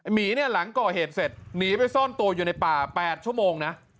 หมีเนี่ยหลังก่อเหตุเสร็จหนีไปซ่อนตัวอยู่ในป่า๘ชั่วโมงนะ